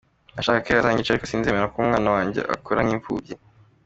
Nashake azanyice ariko sinzemera ko umwana wanjye akura nk’imfubyi.